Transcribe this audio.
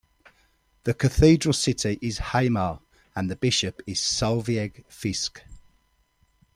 The cathedral city is Hamar, and the bishop is Solveig Fiske.